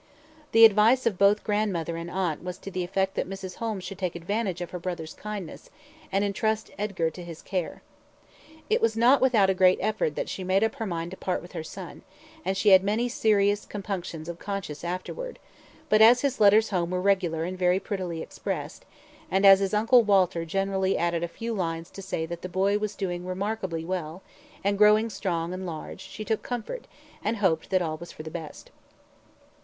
The advice of both grandmother and aunt was to the effect that Mrs. Holmes should take advantage of her brother's kindness, and entrust Edgar to his care. It was not without a great effort that she made up her mind to part with her son, and she had many serious compunctions of conscience afterwards; but as his letters home were regular and very prettily expressed, and as his uncle Walter generally added a few lines to say that the boy was doing remark ably well, and growing strong and large, she took comfort, and hoped that all was for the best.